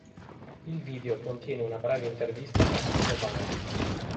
Il video contiene una breve intervista a Steve Vai.